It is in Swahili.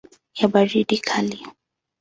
ya baridi kali.